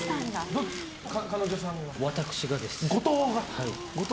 私がです。